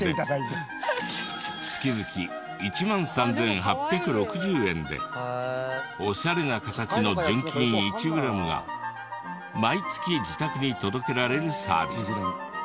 月々１万３８６０円でオシャレな形の純金１グラムが毎月自宅に届けられるサービス。